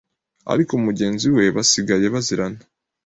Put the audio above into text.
ariko mugenzi we basigaye bazirana